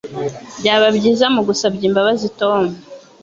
Byaba byiza mugusabye imbabazi Tom.